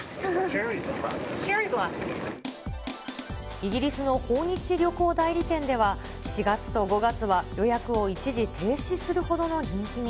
イギリスの訪日旅行代理店では、４月と５月は予約を一時停止するほどの人気に。